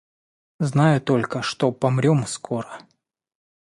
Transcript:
Знаю только, что помрем скоро.